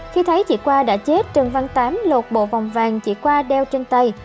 khi thấy chị qua đã chết trần văn tám lột bộ vòng vàng chỉ qua đeo trên tay